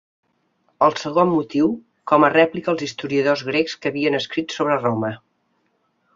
El segon motiu, com a rèplica als historiadors grecs que havien escrit sobre Roma.